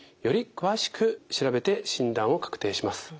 詳しく調べて診断を確定します。